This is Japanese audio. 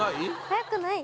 速くない。